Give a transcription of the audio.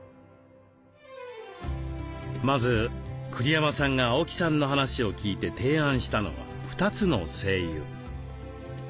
まず栗山さんが青木さんの話を聞いて提案したのは２つの精油。